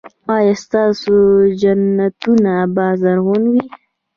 ایا ستاسو جنتونه به زرغون وي؟